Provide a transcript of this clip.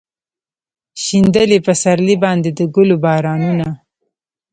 شیندلي پسرلي باندې د ګلو بارانونه